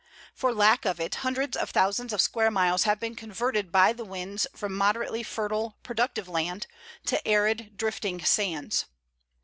For lack of it hundreds of thousands of square miles have been converted by the winds from moderately fertile, productive land to arid drifting sands.